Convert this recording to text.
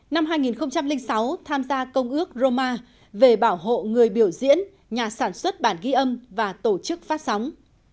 năm hai nghìn sáu tham gia công ước roma về bảo hộ người biểu diễn nhà sản xuất bản ghi âm và tổ chức phát sóng